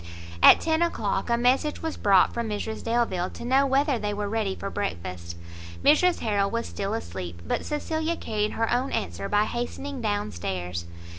At ten o'clock, a message was brought from Mrs Delvile, to know whether they were ready for breakfast. Mrs Harrel was still asleep, but Cecilia carried her own answer by hastening down stairs.